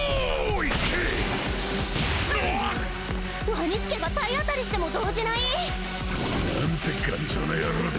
ワニスケが体当たりしても動じない！？なんて頑丈な野郎だ！